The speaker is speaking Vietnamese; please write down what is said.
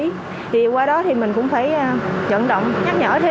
thì qua đó mình cũng sẽ nhận động nhắc nhở thêm